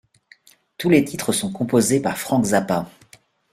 Tous les titres sont composés par Frank Zappa.